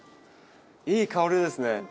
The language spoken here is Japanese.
いい香りですね。